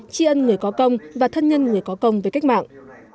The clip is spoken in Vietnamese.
tri ân người có công và thân nhân người có công với cách mạng